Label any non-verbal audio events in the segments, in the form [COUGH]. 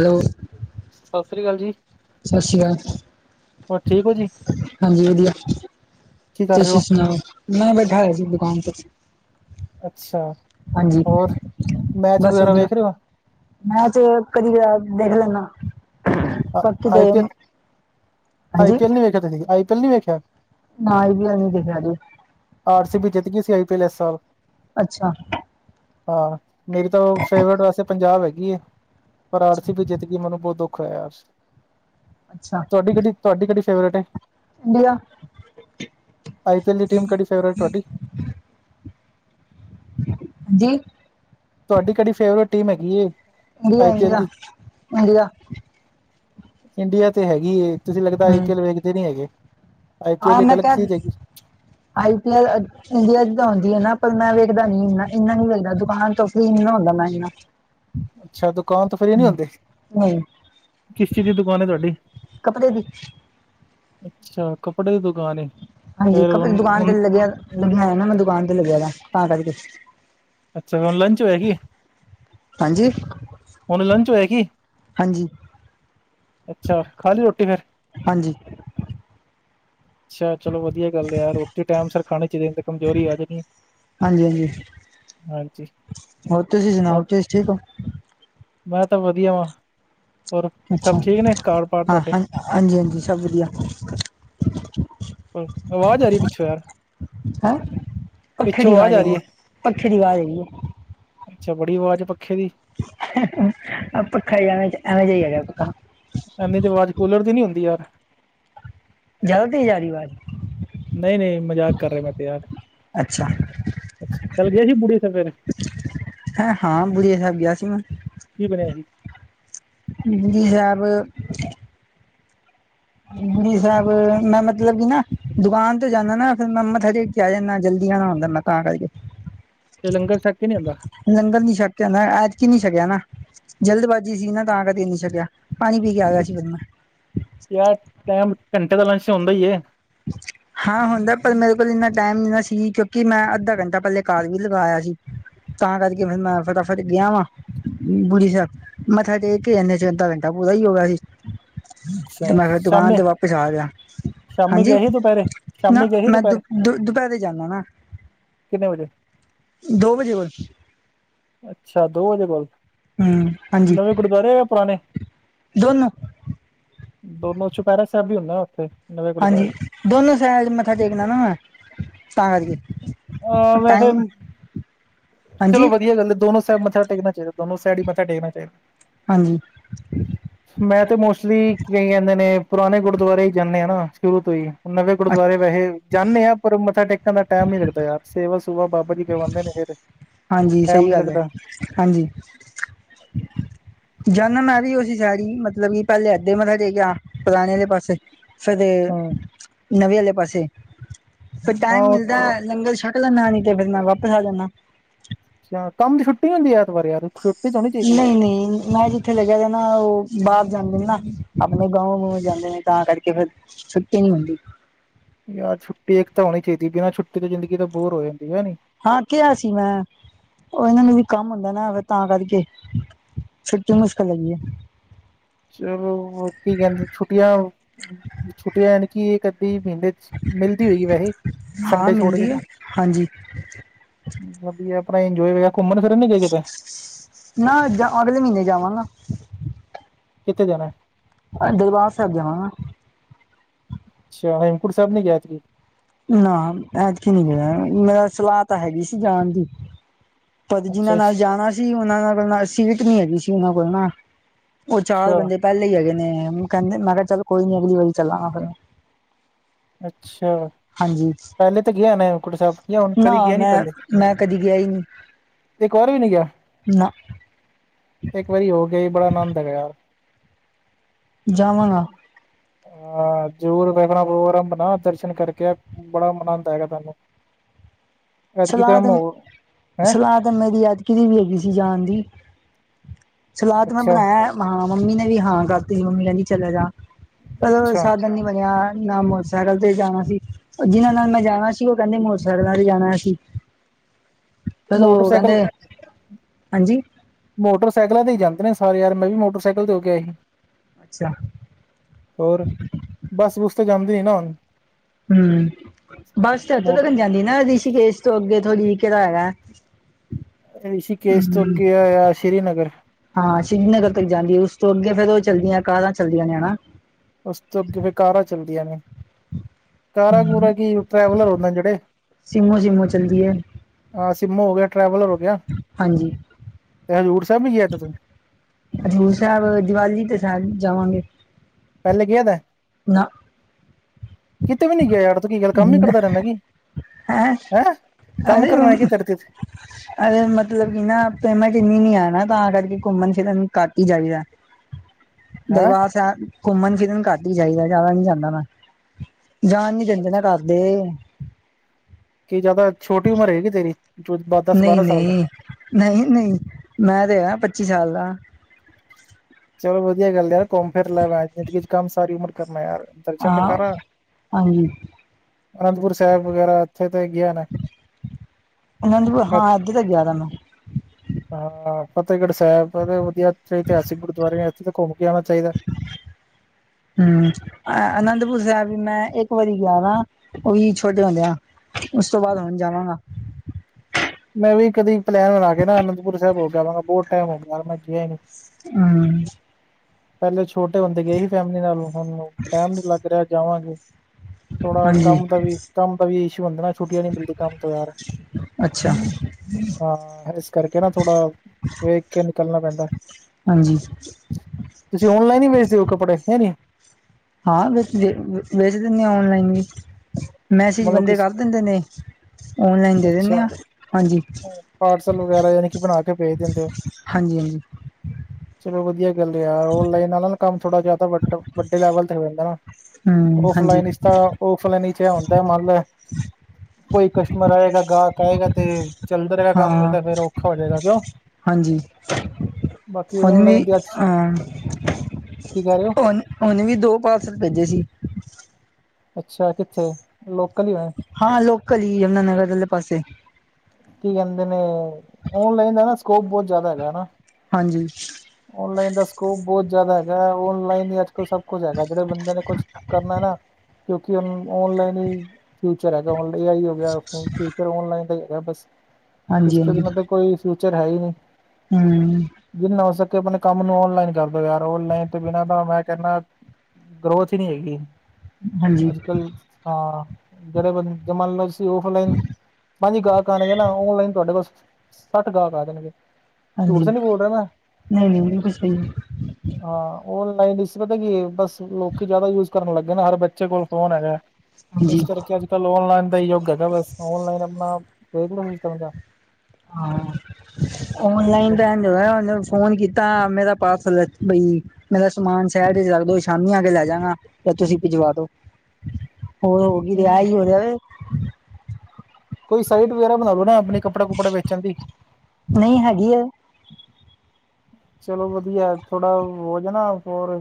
Hello. ਸਤਿ ਸ੍ਰੀ ਅਕਾਲ ਜੀ, ਸਤਿ ਸ਼੍ਰੀ ਅਕਾਲ ਹੋਰ ਠੀਕ। ਹੋ ਜੀ ਹਾਂਜੀ ਵਧੀਆ। ਕੀ ਕਰ ਰਹੇ ਤੁਸੀ ਹੋ ਸੁਨਾਓ? ਮੈਂ ਬੈਠਾ ਹੋਏਆ ਸੀ ਦੁਕਾਨ ਤੇ। ਅੱਛਾ, ਹਾਂਜੀ ਹੋਰ ਮੈਚ ਵਗੈਰਾ ਵੇਖ ਰੇ ਓ? ਮੈਚ ਕਦੀ ਕਦਾਰ ਦੇਖ ਲੇਨਾ। ਆ ਆਈ ਪੀ ਐਲ, ਆਈ ਹਾਂਜੀ ਪੀ ਐਲ ਨੀ ਵੇਖੇਆ ਤੁਸੀ ਆਈ ਪੀ ਐਲ ਨੀ ਵੇਖੇਆ। ਨਾ ਆਈ ਪੀ ਐਲ ਨੀ ਦੇਖੇਆ ਜੀ। ਆਰ ਸੀ ਬੀ ਜਿੱਤ ਗਈ ਸੀ ਆਈ ਪੀ ਐਲ ਏਸ ਸਾਲ। ਅੱਛਾ। ਹਾਂ, ਮੇਰੀ ਤਾਂ ਫੇਵਰੇਟ ਵੈਸੇ ਪੰਜਾਬ ਹੈਗੀ ਏ। ਪਰ ਆਰ ਸੀ ਅੱਛਾ ਬੀ ਜਿੱਤ [UNINTELLIGIBLE] ਮੈਨੂੰ ਬੋਤ ਦੁੱਖ ਹਾਏਆ ਸ, ਅੱਛਾ ਤੁਆਡੀ ਕੇੜੀ ਤੁਆਡੀ ਕੇੜੀ ਫੇਵਰੇਟ ਐ? ਇੰਡੀਆ। ਆਈ ਪੀ ਐਲ ਦੀ ਟੀਮ ਕੇੜੀ ਫੇਵਰੇਟ ਤੁਆਡੀ? ਹਾਂਜੀ। ਤੁਆਡੀ ਕੇੜੀ ਫੇਵਰੇਟ ਟੀਮ ਹੈਗੀ ਏ? ਆਈ ਪੀ ਐਲ ਇੰਡੀਆ-ਇੰਡੀਆ, ਦੀ ਇੰਡੀਆ। ਇੰਡੀਆ ਤੇ ਹੈਗੀ ਏ ਤੁਸੀਂ ਲੱਗਦਾ ਆਈ ਹਮ ਪੀ ਐਲ ਵੇਖਦੇ ਨੀ ਹੈਗੇ। ਆਈ ਪੀ ਹਾਂ, ਐਲ ਇੱਕ ਮੈਂ ਅਲੱਗ ਚੀਜ਼ ਹੈਗੀ [UNINTELLIGIBLE] ਆਈ ਪੀ ਐਲ। ਇੰਡੀਆ 'ਚ ਤਾਂ ਆਂਉਦੀ ਐ ਨਾ ਪਰ ਮੈਂ ਵੇਖਦਾ ਨੀ ਇਨਾ, ਇੰਨਾ ਨੀ ਵੇਖਦਾ ਦੁਕਾਨ ਤੋਂ ਫ੍ਰੀ ਨੀ ਨਾ ਹੁੰਦਾ ਮੈਂ ਜੀਵੇ। ਅੱਛਾ ਦੁਕਾਨ ਤੋ ਫ੍ਰੀ ਨੀ ਹੋਂਦੇ, ਨਹੀਂ ਕਿਸ ਚੀਜ ਦੀ ਦੁਕਾਨ ਐ ਤੁਆਡੀ? ਕੱਪੜੇ ਦੀ? ਅੱਛਾ, ਕੱਪੜੇ ਦੀ ਦੁਕਾਨ ਏ। ਹਾਂਜੀ ਕੱਪੜੇ ਦੀ ਦੁਕਾਨ ਤੇ ਲੱਗੇਆ, ਲਗੇਆ ਹੋਆ ਨਾ ਮੈਂ ਦੁਕਾਨ ਤੇ ਲੱਗੇਆ ਦਾ ਤਾ ਕਰ ਕੇ। ਅੱਛਾ, ਹੋ ਲੰਚ ਹੋਯਾ ਕੀ? ਹਾਂਜੀ। ਹੋਣ ਲੰਚ ਹੋਯਾ ਕੀ? ਹਾਂਜੀ। ਅੱਛਾ ਖਾ ਲੀ ਰੋਟੀ ਫੇਰ? ਹਾਂਜੀ। ਅੱਛਾ ਚਲੋ ਵਦੀਆ। ਚਲ ਰੇਆ ਰੋਟੀ ਟਾਈਮ ਸਰ ਖਾਨੀ ਚਾਈਦੀ ਏ ਨਈ ਤੇ ਕਮਜੋਰੀ ਆ ਜਾਣੀ ਏ। ਹਾਂਜੀ ਹੋਰ ਤੁਸੀਂ ਸੁਣਾਓ, ਹੋਰ ਤੁਸੀਂ ਠੀਕ ਓ? ਮੈਂ ਤਾਂ ਵਦੀਆ ਵਾਂ, ਹੋਰ ਸਬ ਠੀਕ ਨੇ ਕਾਰੋਬਾਰ ਤੁਆਡੇ। ਹਾਂਜੀ-ਹਾਂਜੀ, ਸਬ ਵਦੀਆ। ਅਅਵਾਜ਼ ਆਰੀ ਪਿੱਛੋਂ ਯਾਰ। ਹੈਂ, ਪੱਖੇ ਦੀ ਪਿੱਛੋਂ ਆਵਾਜ਼ ਅਵਾਜ਼ ਆ ਰਹੀ ਏ ਹੈ ਪੱਖੇ ਦੀ ਅਵਾਜ਼ ਹੈਗੀ ਏ। ਅੱਛਾ ਬੜੀ ਵਾਜ ਏ ਪੱਖੇ ਦੀ। ਐ ਪੱਖਾ ਈ ਐਵੇਂ ਜਾ ਐਵੇ ਜਾ ਈ ਹੈਗਾ ਪੱਖਾ। ਐਨੀ ਤੇ ਵਾਜ ਕੂਲਰ ਦੀ ਨੀ ਹੁੰਦੀ ਯਾਰ। ਜਾਦਾ ਤੇਜ ਆਰੀ ਵਾਜ? ਨਈ-ਨਈ ਮਜਾਕ ਕਾਰ ਰੇਆ ਮੈਂ ਤੇ ਯਾਰ। ਅੱਛਾ। ਅੱਛਾ, ਕੱਲ ਗੇ ਸੀ ਬੂੜੀਏ ਸਵੇਰੇ? ਹੈਂ, ਹਾਂ। ਬੂੜੀਏ ਸੈਬ ਗੇਆ ਸੀ ਮੈਂ। ਕੀ ਬਣਿਆ ਸੀ ਬੂੜੀਏ ਸੈਬ ਬੂੜੀਏ ਸੈਬ, ਮੈਂ ਮਤਲਬ ਕਿ ਨਾ ਦੁਕਾਨ ਤੇ ਜਾਂਨਾ ਨਾ ਫੇਰ ਮੈਂ ਮੱਥਾ ਟੇਕ ਕੇ ਆ ਜਾਂਨਾ ਜਲਦੀ ਆਣਾ ਹੁੰਦਾ ਮੈਂ। ਤਾਂ ਕਰਕੇ। ਤੇ ਲੰਗਰ ਛੱਕ ਕੇ ਨੀ ਆਂਦਾ? ਲੰਗਰ ਨੀ ਸ਼ੱਕ ਕੇ ਆਂਦਾ ਨਾ ਐਤਕੀ ਨੀ ਸ਼ਕੇਆ ਨਾ, ਜਲਦਬਾਜ਼ੀ ਸੀ ਨਾ ਤਾਂ ਕਰਕੇ ਨੀ ਸ਼ਕੇਆ ਪਾਣੀ ਪੀ ਕੇ ਆ ਗੇਆ ਸੀ ਫੇਰ ਮੈਂ। ਯਾ ਟੈਮ ਘੰਟੇ ਦਾ ਲੰਚ ਹੋਂਦਾ ਈ ਏ। ਹਾਂ ਹੁੰਦਾ ਪਰ ਮੇਰੇ ਕੋਲ ਇੰਨਾ ਟਾਈਮ ਨੀ ਨਾ ਸੀ, ਕੇਓਕਿ ਮੈਂ ਅੱਦਾ ਘੰਟਾ ਪੈਲੇ ਘਾਰ ਵੀ ਲਗਾਏਆ ਸੀ। ਤਾਂ ਕਰਕੇ ਫੇਰ ਮੈਂ ਫਟਾਫਟ ਗੇਆ ਵਾਂ। ਬੁੜੀ ਸੈਬ, ਮੱਥਾ ਟੇਕ ਕੇ ਐਨੇ 'ਚ ਅੱਦਾ ਘੰਟਾ ਪੂਰਾ ਈ ਹੋਗੇਆ ਸੀ। ਤੇ ਅੱਛਾ ਮੈਂ ਫਿਰ ਦੁਕਾਨ ਸ਼ਾਮੀ ਤੇ ਵਾਪਿਸ ਆ ਗਿਆ। ਸ਼ਾਮੀ ਹਾਂਜੀ! ਗਏ ਸੀ ਦੁਪਹਿਰੇ ਨਾ ਸ਼ਾਮੀ ਗਏ ਸੀ ਮੈਂ ਦੁਪਹਿਰੇ ਦੁ- ਦੁ ਦੁਪਹਿਰੇ ਜਾਂਨਾ ਨਾ। ਕਿੰਨੇ ਵਜੇ ਦੋ ਵਜੇ ਬਾਦ। ਅੱਛਾ ਦੋ ਵਜੇ ਬਾਦ, ਹਮ ਹਾਂਜੀ ਨਵੇਂ ਗੁਰਦੁਆਰੇ ਜਾਂ ਪੁਰਾਣੇ? ਦੋਨੋ। ਦੋਨੋ ਚੁਪਹੇਰਾ ਸਾਹਿਬ ਵੀ ਹੁੰਦਾ ਉੱਥੇ। ਨਵੇਂ ਗੁਰਦੁਆਰੇ ਹਾਂਜੀ, ਦੋਨੋ ਸਹਿ ਮੱਥਾ ਟੇਕਣਾ ਨਾ ਮੈਂ, ਤਾਂ ਕਰਕੇ। ਅਹ ਵੈਸੇ ਟਾਈਮ ਚਲੋ ਹਾਂਜੀ ਵਧੀਆ ਗੱਲ ਦੋਨੋ ਸੈਡ ਮੱਥਾ ਟੇਕਣਾ ਚਾਹੀਦਾ, ਦੋਨੋ ਸੈਡ ਹੀ ਮੱਥਾ ਟੇਕਣਾ ਚਾਹੀਦਾ। ਹਾਂਜੀ। ਮੈਂ ਤੇ ਮੋਸਟਲੀ ਕੀ ਕਹਿੰਦੇ ਨੇ, ਪੁਰਾਣੇ ਗੁਰਦੁਆਰੇ ਈ ਜਾਂਨੇ ਆ ਨਾ ਸ਼ੁਰੂ ਤੋਂ ਈ। ਨਵੇਂ ਗੁਰਦੁਆਰੇ ਵੈਹੇ, ਜਾਂਨੇ ਆ, ਪਰ ਮੱਥਾ ਟੇਕਣ ਦਾ ਟਾਈਮ ਨੀ ਲੱਗਦਾ ਯਾਰ, ਸੇਵਾ ਸੂਵਾ ਬਾਬਾ ਜੀ ਕਰਵਾਦੇ ਨੇ ਫਿਰ। ਹਾਂਜੀ, ਟਾਈਮ ਸਹੀ ਨੀ ਗੱਲ ਐ, ਲੱਗਦਾ ਹਾਂਜੀ। ਜਾਨਾ ਮੈਂ ਵੀ ਉ ਸੀ ਸੈਡ ਈ, ਮਤਲਬ ਕਿ ਪਹਿਲੇ ਹੈਦੇ ਮੱਥਾ ਟੇਕ ਆ ਪੁਰਾਣੇ ਆਲੇ ਪਾਸੇ। ਫਿਰ ਹਮ ਨਵੇਂ ਆਲੇ ਪਾਸੇ, ਫਿਰ ਹਾਂ ਟਾਈਮ ਉਹ ਮਿਲਦਾ ਅੱਛਾ, ਲੰਗਰ ਛੱੱਕ ਪਹਿਲਾਂ ਨਾ ਨੀ ਤੇ ਫਿਰ ਮੈਂ ਵਾਪਸ ਆ ਜਾਨਾ। ਅੱਛਾ, ਕੰਮ ਦੀ ਛੁੱਟੀ ਹੁੰਦੀ ਐਤਵਾਰ ਯਾਰ? ਛੁੱਟੀ ਤਾਂ ਹੋਣੀ ਚਾਹੀਦੀ ਹੈ ਨਈ- ਨਈ ਮੈਂ ਜ ਉੱਥੇ ਲਗਿਆ ਨਾ ਉਹ ਬਾਰ ਜਾਂਦੇ ਨੇ ਨਾ ਅ, ਆਪਣੇ ਗਾਉਂ- ਗਾਉਂ ਜਾਂਦੇ ਨੇ, ਤਾਂ ਕਰਕੇ ਫਿਰ ਛੁੱਟੀ ਨੀ ਹੁੰਦੀ। ਯਾਰ ਛੁੱਟੀ ਇੱਕ ਤਾਂ ਹੋਣੀ ਚਾਹੀਦੀ, ਬਿਨਾਂ ਛੁੱਟੀ ਤੋਂ ਜ਼ਿੰਦਗੀ ਤਾਂ ਬੋਰ ਹੋ ਜਾਂਦੀ ਕੇ ਹੈ ਨੀ। ਹਾਂ ਕਿਹਾ ਸੀ ਮੈਂ, ਉਹ ਏਨਾਂ ਨੂੰ ਵੀ ਕੰਮ ਹੁੰਦਾ ਨਾ, ਫਿਰ ਤਾਂ ਕਰਕੇ। ਛੁੱਟੀ ਮੁਸ਼ਕਿਲ ਲਗੀ ਐ। ਚਲੋ ਕੀ ਕਹਿੰਦੇ ਛੁੱਟੀਆਂ- ਛੁੱਟੀਆਂ ਯਾਨੀ ਕਿ ਇੱਕ -ਅੱਧੀ ਮਹੀਨੇ ਮਿਲਦੀ ਰਹੀ ਵੈਹੇ, ਹਾਂ ਸੰਡੇ ਛੋੜ ਕੇ। ਮਿਲਦੀ ਹੈ ਹਾਂਜੀ ਵਧੀਆ, ਆਪਣਾ ਇੰਜੋਏ ਵ ਘੁੰਮਣ- ਫਿਰਨ ਨੀ ਗਏ ਕਿਤੇ? ਨਾ ਜਾ ਅਗਲੇ ਮਹੀਨੇ ਜਾਵਾਂਗਾ। ਕਿੱਥੇ ਜਾਣਾ ਏ? ਦਰਬਾਰ ਸਾਹਿਬ ਜਾਵਾਂਗਾ। ਅੱਛਾ, ਹੇਮਕੂਟ ਸਾਹਿਬ ਨੂੰ ਗਏ ਐਤਕੀ? ਨਾ, ਐਦਕੀ ਨੀ ਗਿਆ, ਮੈਂ ਸਲਾਹ ਤਾਂ ਹੈਗੀ ਸੀ ਜਾਣ ਦੀ ਪਰ ਜੀਨਾਂ ਅੱਛਾ ਨਾਲ ਜਾਣਾ ਸੀ, ਉਹਨਾਂ ਨਾਲ ਕੋਲ ਨਾਲ ਸੀਟ ਨੀ ਹੈਗੀ ਸੀ ਉਹਨਾਂ ਕੋਲ ਨਾ। ਉਹ ਚਾਰ ਅੱਛਾ ਬੰਦੇ ਪਹਿਲੇ ਹੀ ਹੈਗੇ ਨੇ ਕਹਿੰਦੇ, ਮੈਂ ਕਿਹਾ ਚੱਲ ਕੋਈ ਨੀ ਅਗਲੀ ਵਾਰੀ ਚੱਲਾਂਗਾ ਫਿਰ। ਅੱਛਾ। ਹਾਂਜੀ ਪਹਿਲੇ ਤਾਂ ਗਿਆ ਨ ਹੇਮਕੁਟ ਸਾਹਿਬ ਜਾਂ ਹੁਣ ਕਦੇ ਨਾ ਗਿਆ ਨੀ ਮੈਂ ਪਹਿਲੇ? ਮੈਂ ਕਦੀ ਗਿਆ ਹੀ ਨੀ ਇੱਕ ਵਾਰ ਵੀ ਨੀ ਗਿਆ। ਨਾ। ਇੱਕ ਵਾਰੀ ਹੋ ਕੇ ਆਈਂ, ਬੜਾ ਆਨੰਦ ਹੈਗਾ ਯਾਰ। ਜਾਵਾਂਗਾ। ਹਾਂ, ਜ਼ਰੂਰ ਵੇਖਣਾ ਪ੍ਰੋਗਰਾਮ। ਆਪਣਾ ਦਰਸ਼ਨ ਕਰਕੇ, ਬੜਾ ਅਨੰਦ ਆਏਗਾ ਤੁਹਾਨੂੰ। ਐਤਕੀ ਸਲਾਹ ਤਾਂ ਤੇ ਮੈ ਹੈਂ ਸਲਾਹ ਮੇਰੀ ੲੈਤਕੀ ਵੀ ਹੈਗੀ ਸੀ ਜਾਣ ਦੀ, ਸਲਾਹ ਮੈਂ ਅੱਛਾ ਬਣਾਇਆ ਆ ਹਾਂ ਮੰਮੀ ਨੇ ਵੀ ਹਾਂ ਕਰਤੀ, ਮੰਮੀ ਕੈਂਦੀ ਚੱਲੇ ਜਾ, ਅ ਅੱਛਾ ਸਾਧਨ ਨੀ ਬਣਿਆ ਨਾ ਮੋ ਸੈਕਲ ਤੇ ਜਾਣਾ ਸੀ, ਜਿਹਨਾਂ ਨਾਲ ਮੈਂ ਜਾਣਾ ਸੀ ਉਹ ਕਹਿੰਦੇ ਮੋਟਰਸੈਕਲਾ ਤੇ ਜਾਣਾ ਅਸੀ। ਤੇ ਬਸ ਉ ਮੋਟਰਸਾਈਕਲ ਕੇਂਦੇ ਹਾਂਜੀ ਮੋਟਰਸਾਈਕਲਾਂ ਤੇ ਹੀ ਜਾਂਦੇ ਨੇ ਸਾਰੇ ਯਾਰ, ਮੈਂ ਵੀ ਮੋਟਰਸਾਈਕਲ ਤੇ ਹੋ ਕੇ ਆਇਆ ਸੀ। ਅੱਛਾ। ਹੋਰ, ਬੱਸ-ਬੁੱਸ ਤੇ ਜਾਂਦੀ ਨੀ ਨਾ ਹੁਨ। ਹੂੰ, ਬਸ ਤੇ ਇਥੋਂ ਮੋਟਰ ਤੱਕਨ ਜਾਂਦੀ ਨਾ ਰਿਸ਼ੀਕੇਸ਼ ਤੋਂ ਅੱਗੇ ਥੋੜ੍ਹੀ ਕੇੜਾ ਹੈਗਾ ਰਿਸ਼ੀਕੇਸ਼ ਤੋਂ ਹਮ ਅਗੇ ਹੇਗਾ ਸ਼੍ਰੀਨਗਰ। ਹਾਂ, ਸ਼੍ਰੀਨਗਰ ਤੱਕ ਜਾਂਦੀ ਉਸ ਤੋਂ ਅੱਗੇ ਫੇਰ ਉਹ ਚੱਲਦੀਆਂ ਕਾਰਾਂ ਚੱਲਦੀਆਂ ਨੇ ਹਨਾ। ਉਸ ਤੋਂ ਅੱਗੇ ਫੇਰ ਕਾਰਾਂ ਚੱਲਦੀਆਂ ਨੇ। ਹਮ ਕਾਰਾ-ਕੁਰਾ ਕੀ ਉ ਟਰੈਵਲਰ ਹੂੰਦੇ ਜੇੜੇ। ਸਿੰਮੋ ਸਿੰਮੋ ਚੱਲਦੀ ਹੈ ਹਾਂ ਸਿੰਮੋ ਹੋ ਗਿਆ, ਟਰੈਵਲਰ ਹੋ ਗਿਆ। ਹਾਂਜੀ ਐ ਹਜੂਰ ਸੈਬ ਨੀ ਗਿਆ [UNINTELLIGIBLE] ਤੂ। ਹਜੂਰ ਸੈਬ ਦੀਵਾਲੀ ਤੇ ਸੈਦ ਜਾਵਾਂਗੇ। ਪੈਲੇ ਗਿਆ ਦੈ। ਨਾ। ਕਿਤੇ ਵੀ ਨੀ ਗਿਆ ਯਾਰ ਤੂ ਕੀ ਗੱਲ ਕੰਮ ਈ ਕਰਦਾ ਰੈਨਾ ਏ ਕੀ, ਹੈਂ ਕੰਮ ਅਰੇ ਕਰਨ ਆਯਾ ਧਰਤੀ ਇਚ। ਅਰੇ ਮਤਲਬ ਕੀ ਨਾ ਪੇਮੈਂਟ ਇੰਨੀ ਨੀ ੲੈ ਨਾ, ਤਾਂ ਕਰਕੇ ਘੁੰਮਨ- ਫਿਰਨ ਕਟ ਹੀ ਜਾਈਦਾ। [INAUDIBLE] ਦਰਬਾਰ ਸੈਬ, ਘੁੰਮਨ-ਫਿਰਨ ਘੱਟ ਹੀ ਜਾਈਦਾ ਜਾਦਾ ਨੀ ਜਾਂਦਾ ਮੈਂ। ਜਾਨ ਨੀ ਦਿੰਦੇ ਨਾ ਕਾਰ ਦੇ। ਕੀ ਜਾਦਾ ਛੋਟੀ ਉਮਰ ਏ ਕੀ ਤੇਰੀ। ਜੋ ਬ- ਸਾਲ ਦਾ ਨਈ-ਨਈ, ਨਈ-ਨਈ ਮੈਂ ਤੇ ਹੈਗਾ ਪੱਚੀ ਸਾਲ ਦਾ। ਚਲੋ ਵਧੀਆ ਗੱਲ ਐ, ਕੌਮ ਫੇਰ ਲੈ ਜਿੰਦਗੀ ਚ ਕੰਮ ਸਾਰੀ ਉਮਰ ਕਰਨਾ ਯਾਰ। ਦਰਸ਼ਨ ਤੇ ਹਾਂ ਕਰ ਆ, ਹਾਂਜੀ ਅਨੰਦਪੁਰ ਸੈਬ ਵਗੈਰਾ ਉੱਥੇ ਤੇ ਗਿਆ ਹੋਨਾ ੲੈ ਅਨੰਦਪੁਰ ਹਾਂ ਇੱਧਰ ਤਾਂ ਗਿਆ ਦਾ ਮੈਂ ਹਾਂ ਫਤਿਹਗੜ੍ਹ ਸੈਬ, ਵਧੀਆ ਏਤਿਹਾਸਿਕ ਗੂਰੁ ਐਥੇ ਤਾਂ ਕੁਮ ਕੇ ਆਣਾ ਚਾਈਦਾ। ਹੂੰ, ਅਨੰਦਪੁਰ ਸੈਬ ਵੀ ਮੈਂ ਏਕ ਵਾਰੀ ਗਿਆ ਵਾ। ਉਈ ਛੋਟੇ ਹੁੰਦਿਆ, ਉਸ ਤੋਂ ਬਾਦ ਹੁਣ ਜਾਵਾਂਗਾ। ਮੈਂ ਵੀ ਕਦੀ ਪਲੈਨ ਬਣਾ ਕੇ ਨਾ ਅਨੰਦਪੁਰ ਸੈਬ ਹੋ ਕੇ ਆਵਾਂਗਾ, ਬੋਤ ਟਾਈਮ ਹੋ ਗਿਆ ਯਾਰ ਮੈਂ ਗਿਆ ਈ ਨੀ। ਹੂੰ। ਪੈਲੇ ਛੋਟੇ ਹੁੰਦੇ ਗਏ ਸੀ ਫੈਮਿਲੀ ਨਾਲ ਹੁਣ ਨੂੰ ਟੈਮ ਨੀ ਲੱਗ ਰਿਆ ਜਾਵਾਂਗੇ। ਥੋੜਾ ਹਾਂਜੀ ਕੰਮ ਦਾ ਵੀ, ਕੰਮ ਦਾ ਵੀ ਇਸ਼ੂ ਹੁੰਦਾ ਏ ਨਾ, ਛੁੱਟੀਆਂ ਨੀ ਮਿਲਦੀ ਕੰਮ ਤੋਂ ਯਾਰ। ਅੱਛਾ। ਹਾਂ, ਇਸ ਕਰਕੇ ਨਾ ਥੋੜਾ ਵੇਖ ਕੇ ਨਿਕਲਨਾ ਪੈਂਦੈ। ਹਾਂਜੀ ਤੁਸੀਂ ਔਨਲਾਈਨ ਹੀ ਵੇਚਦੇ ਹੋ ਕੱਪੜੇ ਹੈ ਨੀ। ਹਾਂ, ਵੇ ਵੇ ਵੇਚ ਦਿੰਨੇ ਆਂ ਔਨਲਾਈਨ ਵੀ। ਮੈਸਿਜ ਮਤਲਬ ਕਿ ਬੰਦੇ ਕਰ ਦਿੰਦੇ ਨੇ। ਔਨਲਾਈਨ ਦੇ ਦੇਨੇ ਅੱਛਾ ਆ ਹਾਂਜੀ। ਪਾਰਸਲ ਵਗੈਰਾ ਯਾਨੀ ਕਿ ਬਣਾ ਕੇ ਭੇਜ ਦਿੰਦੇ ਹੋ। ਹਾਂਜੀ-ਹਾਂਜੀ। ਚਲੋ ਵਧੀਆ ਗੱਲ ਏ ਯਾਰ ਔਨਲਾਈਨ ਨਾਲ ਨਾ ਕੰਮ ਥੋੜ੍ਹਾ ਜਾ ਵੱਡ ਵੱਡੇ ਲੈਵਲ ਤੇ ਹੋ ਜਾਂਦਾ ਨਾ। ਹੂੰ ਹਾਂਜੀ ਔਫਲਾਈਨ ਇਚ ਤਾਂ ਔਫਲਾਈਨ ਇਚ ਐ ਹੁੰਦਾ ਮਨ ਲੇ ਕੋਈ ਕਸਟਮਰ ਆਏਗਾ, ਗਾਹਕ ਆਏਗਾ ਤੇ ਚੱਲਦਾ ਰਏਗਾ ਕੰਮ ਵੀ ਹਾਂ ਤਾਂ ਫੇਰ ਔਖਾ ਹੋ ਜੇਗਾ ਕਿਉਂ? ਹਾਂਜੀ, ਬਾਕੀ ਹੁਨ ਵੀ ਔਨਲਾਈਨ ਦੀ ਅੱਜ ਅਹ ਕੀ ਕਹਿ ਰਹੇ ਹੋ ਹੁਨ ਵੀ ਦੋ ਪਾਰਸਲ ਭੇਜੇ ਸੀ। ਅੱਛਾ, ਕਿੱਥੇ ਲੋਕਲ ਹੀ ਐ। ਹਾਂ ਲੋਕਲ ਈ ਯਮਨਾ ਨਗਰ ਅਲੇ ਪਾਸੇ। ਕੀ ਕੈਂਦੇ ਨੇ ਔਨਲਾਈਨ ਦਾ ਨਾ ਸਕੋਪ ਬੌਤ ਜਆਦਾ ਹੈਗਾ ਹਨਾ। ਹਾਂਜੀ ਔਨਲਾਈਨ ਦਾ ਸਕੋਪ ਬੌਤ ਜਆਦਾ ਹੈਗਾ, ਔਨਲਾਈਨ ਈ ਅੱਜ-ਕੱਲ੍ਹ ਸਭ ਕੁਛ ਹੈਗਾ ਜੇੜੇ ਬੰਦੇ ਨੇ ਕੁਛ ਕਰਨਾ ਨਾ ਕਿਉਂਕਿ ਔਨਲਾਈਨ ਈ ਫਿਊਚਰ ਹੈਗਾ ਹੁਨ ਏ ਆਈ ਹੋ ਗਿਆ, ਫਿਊਚਰ ਔਨਲਾਈਨ ਦਾ ਈ ਹੈਗਾ ਬਸ ਇਸ ਹਾਂਜੀ ਤੋਂ ਬਿਨਾਂ ਤਾਂ ਕੋਈ ਫਿਉਚਰ ਹੈ ਈ ਨਈ। ਹੂੰ ਜਿੰਨਾ ਹੋ ਸਕੇ ਆਪਣੇ ਕੰਮ ਨੂੰ ਔਨਲਾਈਨ ਕਰ ਦੋ ਯਾਰ ਔਨਲਾਈਨ ਤੇ ਬਿਨਾਂ ਤਾ ਮੈਂ ਕੈਨਾ ਗਰੋਥ ਈ ਨੀ ਹੇਗੀ ਹਾਂਜੀ ਅੱਜ-ਕੱਲ੍ਹ ਹਾਂ ਜੇੜੇ ਬੰ ਜੇ ਮੰਨ ਲੋ ਤੇ ਔਫਲਾਈਨ ਪੰਜ ਗਾਹਕ ਆਨਗੇ, ਨਾ ਔਨਲਾਈਨ ਤੁਆਡੇ ਕੋਲ ਸੱਠ ਗਾਹਕ ਆ ਜਾਨਗੇ। ਹਾਂਜੀ, ਨਈ -ਨਈ ਕੁਛ ਵੀ ਨਈ। ਹਾਂ ਔਨਲਾਈਨ ਇਸ ਪਤਾ ਕੀ ਏ ਬਸ ਲੋਕੀ ਜਆਦਾ ਯੂਜ ਕਰਨ ਲੱਗਗੇ ਨਾ ਹਰ ਬੱਚੇ ਕੋਲ ਫੋਨ ਹੈਗੈ। ਇਸ ਹਾਂਜੀ ਕਰਕੇ ਅੱਜ-ਕੱਲ੍ਹ ਔਨਲਾਈਨ ਦਾ ਈ ਯੁੱਗ ਹੈਗਾ ਬਸ ਔਨਲਾਈਨ ਆਪਨਾ ਰੈਗੂਲਰ ਸਿਸਟਮ ਹੈਗਾ। ਹਾਂ [INAUDIBLE] ਔਨਲਾਈਨ ਦਾ ਐਂਜ ਹੇਗਾ ਓਨੇ ਫੋਨ ਕੀਤਾ ਮੇਰਾ ਪਾਰਸਲ ਬਈ ਮੇਰਾ ਸਮਾਨ ਸੈਡ ਵਿੱਚ ਰੱਖ ਦੋ ਸ਼ਾਮੀ ਆ ਕੇ ਲੈ ਜਾਂਗਾ ਯਾ ਤੁਸੀ ਭਿਜਵਾ ਦੋ। [INAUDIBLE] ਹੋਰ ਔ ਕੀ ਰੇਆ ਐ ਈ ਹੋਰੇਆ ਵੇ। ਕੋਈ ਸਾਈਟ ਵਗੈਰਾ ਬਣਾਲੋ ਨਾ ਆਪਨੇ ਕੱਪੜੇ -ਕੁੱਪੜੇ ਵੇਚਣ ਦੀ। ਨਈ ਹੈਗੀ ਐ। ਚਲੋ ਵਧੀਐ ਥੋੜਾ ਹੋ ਜੇ ਨਾ ਹੋਰ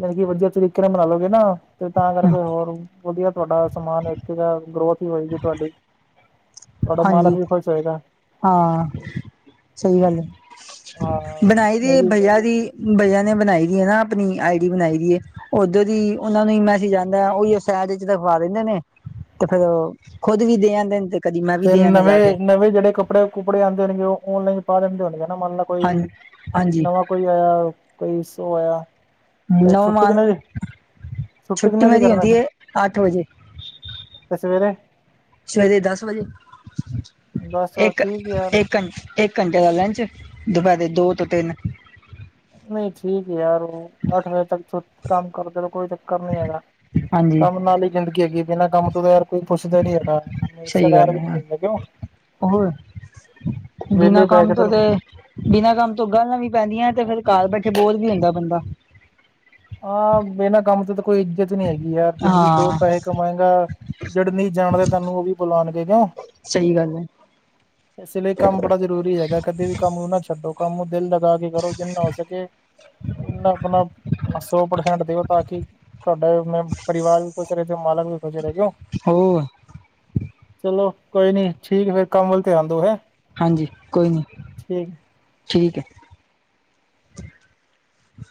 ਜਾਣੀ ਕਿ, ਵਧੀਆ ਤਰੀਕੇ ਨਾਲ ਮਨਾ ਲੋਗੇ ਨਾ। ਤੇ ਤਾਂ ਕਰਕੇ ਹੋਰ ਵਧੀਆ ਤੁਆਡਾ ਸਮਾਨ ਇੱਕ [UNINTELLIGIBLE] ਗਰੋਥ ਈ ਹੋਏਗੀ ਤੁਆਡੀ। ਤੁਆਡਾ ਮਾਲਕ ਹਾਂਜੀ ਵੀ ਖੁਸ਼ ਹੋਏਗਾ। ਹਾਂ ਸਈ ਗੱਲ ਏ ਹਾਂ ਬਣਾਈ ਦੀ ਏ ਨਹੀਂ ਭਈਆ ਦੀ ਭਈਆ ਨੇ ਬਣਾਈ ਦੀ ਨਾ ਆਪਣੀ ਆਈ ਡੀ ਬਣਾਈ ਦੀ ਏ। ਉਧਰ ਈ ਓਨਾ ਨੂੰ ਈ ਮੈਸੇਜ ਆਂਦਾ ਉਈਓ ਸੈਜ਼ ਇਚ ਰਖਵਾ ਦੇਂਦੇ ਨੇ। ਤੇ ਫੇਰ ਓ ਖੁਦ ਵੀ ਦੇ ਆਂਦੇ ਨੇ ਤੇ ਕਦੀ ਮੈਂ ਵੀ ਤੇ ਦੇ ਆਂਦਾ ਜਾ ਕੇ ਨਵੇਂ-ਨਵੇਂ ਜੇੜੇ ਕੱਪ ਕੱਪੜੇ ਕੁਪੜੇ ਆਦੇ ਨੇਗੇ, ਓ ਔਨਲਾਈਨ ਪਾ ਦੇਂਦੇ ਹੋਣਗੇ ਮੰਨ ਲਓ ਹਾਂ ਕੋਈ ਹਾਂਜੀ ਨਵਾਂ ਕੋਈ ਆਇਆ ਓ ਕੋਈ ਸੋ ਆਇਆ। ਤੇ ਨੌ ਛੁੱਟੀ ਮਾਲ ਕਿੰਨੇ ਵਜੇ ਛੁੱਟੀ ਕਿੰਨੇ ਵਜੇ ਮੇਰੀ ਕਰਨੈ ਹੁੰਦੀ ਫਿਰ ਹੈ ਅੱਠ ਵਜੇ ਤੇ ਸਵੇਰੇ? ਸਵੇਰੇ ਦਸ ਵਜੇ ਬਸ ਠੀਕ ਯਾਰ ਇੱਕ-ਇੱਕ ਘੰ ਇੱਕ ਘੰਟੇ ਦਾ ਲੰਚ ਦੁਪੈਰੇ ਦੋ ਤੋ ਤਿੰਨ। ਠੀਕ ਏ ਯਾਰ ਉਂ ਅੱਠ ਵਜੇ ਤੱਕ ਛੁ ਕੰਮ ਕਰਦੇ ਰੋ ਕੋਈ ਚੱਕਰ ਨੀ ਹੈਗਾ। ਹਾਂਜੀ ਕੰਮ ਨਾਲ ਈ ਜ਼ਿੰਦਗੀ ਹੈਗੀ, ਬਿਨਾਂ ਕੰਮ ਤੋ ਤਾ ਯਾਰ ਕੋਈ ਪੁੱਛਦਾ ਨੀ ਹੈਗਾ। ਸਹੀ ਗੱਲ ਰਿਸਤੇਦਾਰ ਵੀ ਨੀ ਹੈ ਪੁੱਛਦਾ ਕਿਂਓਂ ਹੋਰ ਵੇਲੇ ਬਿਨਾਂ ਬੈ ਕੰਮ ਕੇ ਤੇ ਤੋਂ ਬਿਨਾਂ ਕੰਮ ਤੋਂ ਗਾਲਾਂ ਵੀ ਪੈਂਦੀਆਂ ਤੇ ਫੇਰ ਘਰ ਬੈਠੇ ਬੋਰ ਵੀ ਹੁੰਦਾ ਬੰਦਾ। ਹਾਂ ਬਿਨਾਂ ਕੰਮ ਤੇ ਤੇ ਕੋਈ ਇੱਜਤ ਨੀ ਹੈਗੀ ਯਾਰ ਜ਼ਿੰਦਗੀ ਚ ਦੋ ਹਾਂ ਪੈਹੇ ਕਮਾਏਂਗਾ ਜੇੜੇ ਨਈ ਜਾਣਦੇ ਤਾਨੂੰ ਓ ਵੀ ਬੁਲਾਣਗੇ ਕਿਉਂ। ਸਈ ਗੱਲ ਐ। ਇਸ ਲਈ ਕੰਮ ਬੜਾ ਜ਼ਰੂਰੀ ਹੈਗਾ, ਕਦੇ ਵੀ ਕੰਮ ਨੂੰ ਨਾ ਛੱਡੋ। ਕੰਮ ਦਿਲ ਲਗਾ ਕੇ ਕਰੋ ਜਿੰਨਾ ਹੋ ਸਕੇ ਉਨਾ ਆਪਣਾ ਸੌ ਪ੍ਰਸੈਂਟ ਦਿਓ ਤਾਂ ਕਿ ਤੁਆਡਾ ਮ ਪਰਿਵਾਰ ਵੀ ਖੁਸ਼ ਰਏ ਓ ਮਾਲਕ ਵੀ ਖੁਸ਼ ਰਏ ਕਿਓ। ਹੋਰ ਚਲੋ ਕੋਈ ਨੀ ਠੀਕ ਫੇਰ ਕੰਮ ਵੱਲ ਧਿਆਨ ਦਓ ਹੈਂ। ਹਾਂਜੀ ਕੋਈ ਨੀ, ਠੀਕ ਐ।